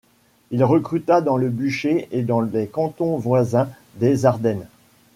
Il recruta dans le duché et dans les cantons voisins des Ardennes.